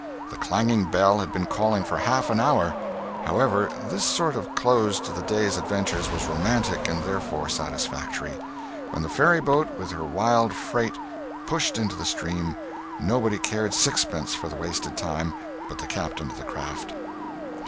The clanging bell had been calling for half an hour. However, this sort of close to the day's adventures was romantic and therefore satisfactory. When the ferryboat with her wild freight pushed into the stream, nobody cared sixpence for the wasted time but the captain of the craft.